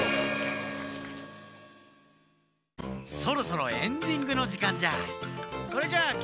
そろそろエンディングのじかんじゃ。